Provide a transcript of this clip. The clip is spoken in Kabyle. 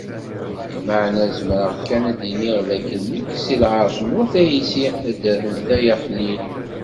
Meεna zemreɣ kan ad d-iniɣ dakken nekk si Lεerc n Wat ɛisi, taddart n Tala Xlil.